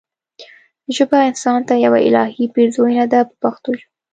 ژبه انسان ته یوه الهي پیرزوینه ده په پښتو ژبه.